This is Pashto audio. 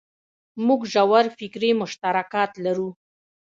موږ ژور فکري مشترکات لرو.